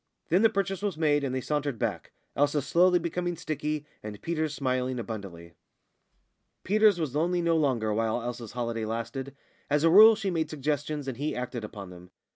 Then the purchase was made, and they sauntered back Elsa slowly becoming sticky, and Peters smiling abundantly. Peters was lonely no longer while Elsa's holiday lasted. As a rule she made suggestions, and he acted upon them.